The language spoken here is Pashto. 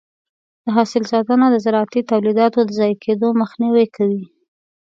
د حاصل ساتنه د زراعتي تولیداتو د ضایع کېدو مخنیوی کوي.